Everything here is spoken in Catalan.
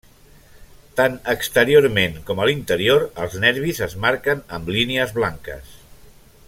Tant exteriorment com a l'interior els nervis es marquen amb línies blanques.